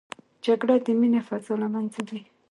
جګړه د مینې فضا له منځه وړي